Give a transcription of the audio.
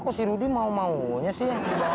kok si rudy mau mau nya sih dibawah mami